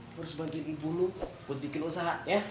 lo harus bantuin ibu lo buat bikin usaha ya